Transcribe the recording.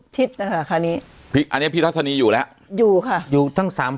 ชิดนะคะคราวนี้อันนี้พี่ทัศนีอยู่แล้วอยู่ค่ะอยู่ตั้งสามคน